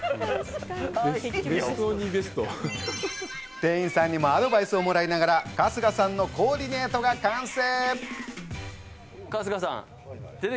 店員さんにもアドバイスをもらいながら春日さんのコーディネートが完成。